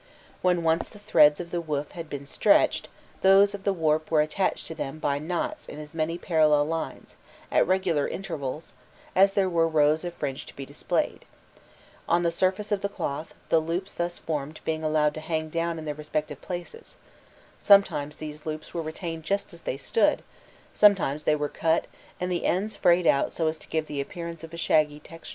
When once the threads of the woof had been stretched, those of the warp were attached to them by knots in as many parallel lines at regular intervals as there were rows of fringe to be displayed on the surface of the cloth, the loops thus formed being allowed to hang down in their respective places: sometimes these loops were retained just as they stood, sometimes they were cut and the ends frayed out so as to give the appearance of a shaggy texture.